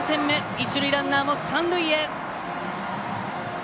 一塁ランナーも三塁へ。